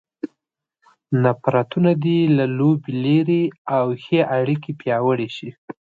نفرتونه دې له لوبې لیرې او ښې اړیکې پیاوړې شي.